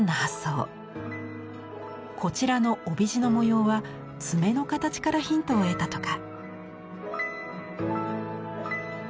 こちらの帯地の模様は爪の形からヒントを得たとか。